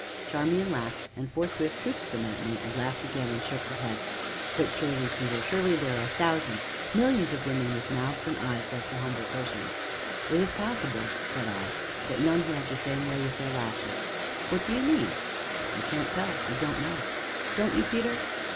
Charmian laughed, and forthwith drooped them at me, and laughed again, and shook her head. "But surely, Peter, surely there are thousands, millions of women with mouths and eyes like the Humble Person's?" "It is possible," said I, "but none who have the same way with their lashes." "What do you mean?" "I can't tell; I don't know." "Don't you, Peter?"